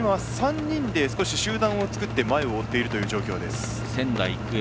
今は３人で少し集団を作って前を追っているという状態です。